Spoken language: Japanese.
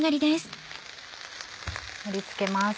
盛り付けます。